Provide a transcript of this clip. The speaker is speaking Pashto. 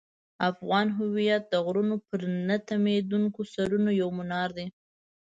افغان هویت د غرونو پر نه تمېدونکو سرونو یو منار دی.